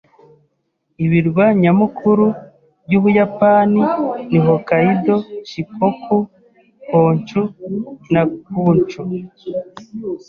Ibirwa nyamukuru by'Ubuyapani ni Hokkaido, Shikoku, Honshu na Kyushu.